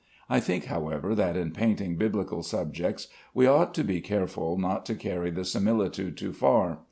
I think, however, that in painting Biblical subjects we ought to be careful not to carry the similitude too far.